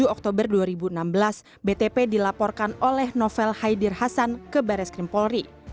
tujuh oktober dua ribu enam belas btp dilaporkan oleh novel haidir hasan ke baris krim polri